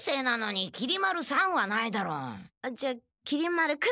じゃきり丸君。